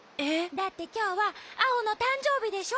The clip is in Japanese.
だってきょうはアオのたんじょうびでしょ？